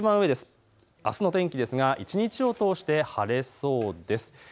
あすの天気ですが一日を通して晴れそうです。